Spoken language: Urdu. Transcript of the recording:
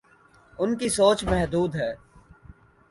ان کی سوچ محدود ہے۔